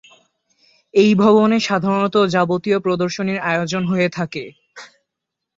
এই ভবনে সাধারণত যাবতীয় প্রদর্শনীর আয়োজন হয়ে থাকে।